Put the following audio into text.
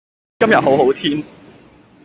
今日好好天